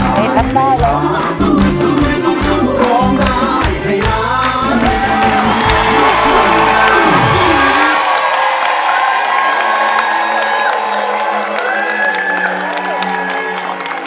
มีคำได้เลย